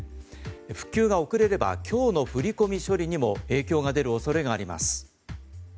復旧が遅れれば今日の振り込み処理にも影響が出る恐れがあります。